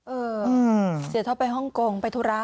เออเสียท็อปไปฮ่องกงไปธุระ